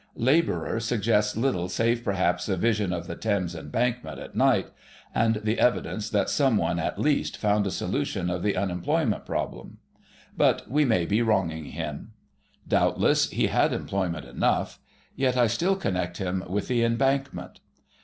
Labourer suggests little save perhaps a vision of the Thames Embankment at night, and the evidence that some one at least found a solution of the Unemployment problem. But we may be wronging him. Doubtless he had employment enough. Yet I still connect him with the Embankment.